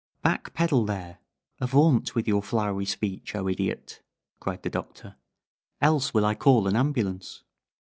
"Back pedal there! Avaunt with your flowery speech, oh Idiot!" cried the Doctor. "Else will I call an ambulance."